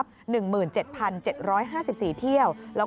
สวัสดีค่ะ